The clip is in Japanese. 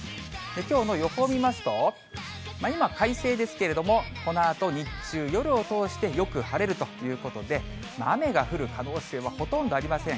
きょうの予報見ますと、今、快晴ですけれども、このあと日中、夜を通してよく晴れるということで、雨が降る可能性はほとんどありません。